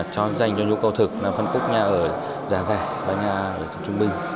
cho danh cho nhu cầu thực phân khúc nhà ở giá rẻ và nhà ở trung bình